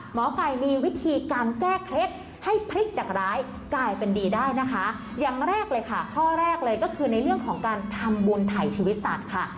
หมอไก่มีวิธีการแก้เคล็ดให้พลิกจากร้ายกลายเป็นดีได้นะคะอย่างแรกเลยค่ะข้อแรกเลยก็คือในเรื่องของการทำบุญไถ่ชีวิตสัตว์ค่ะ